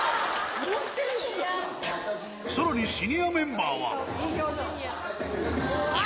さらにシニアメンバーは。